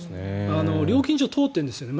料金所を通ってるんですよね。